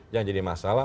yang jadi masalah